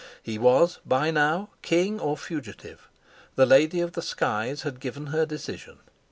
He was by now king or a fugitive. The Lady of the Skies had given her decision.